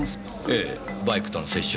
ええバイクとの接触